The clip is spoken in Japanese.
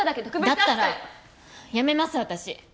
だったらやめます私。